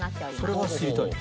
それは知りたい。